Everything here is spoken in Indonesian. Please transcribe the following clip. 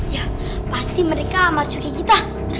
iya pasti mereka amat suka kita